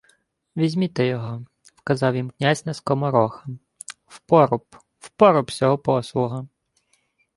— Візьміте його... — вказав їм князь на скомороха. — В поруб... У поруб сього послуха!..